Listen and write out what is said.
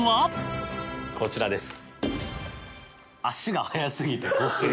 こちらです。